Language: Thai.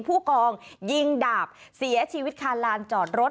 ผู้กองยิงดาบเสียชีวิตคาลานจอดรถ